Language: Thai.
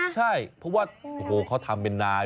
ใช่เพราะว่าเขาทำเป็นนาย